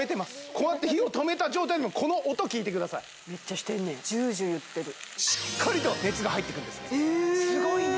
こうやって火を止めた状態でもめっちゃしてんねジュージューいってるしっかりと熱が入っていくんですねすごいね！